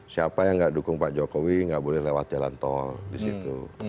siapa yang nggak dukung pak jokowi nggak boleh lewat jalan tol di situ